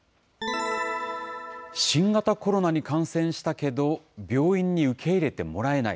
新型コロナに感染したけど、病院に受け入れてもらえない。